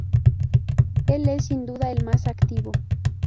Él es sin duda el más activo.